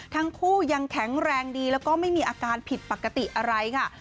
ทั้งคู่ยังแข็งแรงดีแล้วก็ไม่มีอาการผิดปกติอะไรค่ะ